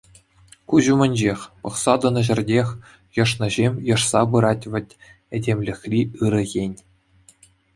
Куҫ умӗнчех, пӑхса тӑнӑ ҫӗртех йӑшнӑҫем йӑшса пырать вӗт этемлӗхри ырӑ ен.